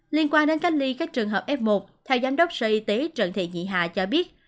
liên quan đến cách ly các trường hợp f một theo giám đốc sở y tế trần thị nhị hà cho biết